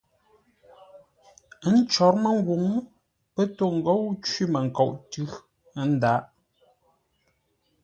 Ə́ ncwôr məngwûŋ; pə́ tô ńgôu cwímənkoʼ tʉ̌. Ə́ ndǎghʼ.